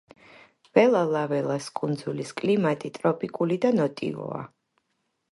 ველა-ლაველას კუნძულის კლიმატი ტროპიკული და ნოტიოა.